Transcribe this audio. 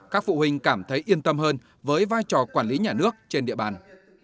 các phụ huynh cảm thấy yên tâm hơn với vai trò quản lý nhà nước trên địa bàn